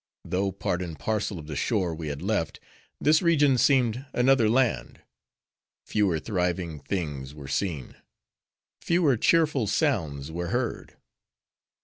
Though part and parcel of the shore we had left, this region seemed another land. Fewer thriving thingswere seen; fewer cheerful sounds were heard.